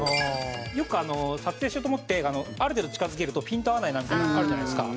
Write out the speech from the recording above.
よく撮影しようと思ってある程度近付けるとピント合わないなんていうのあるじゃないですか。